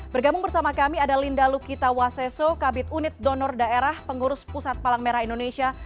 bergabung bersama kami ada linda lukita waseso kabit unit donor daerah pengurus pusat palang merah indonesia